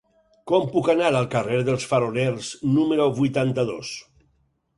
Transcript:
Com puc anar al carrer dels Faroners número vuitanta-dos?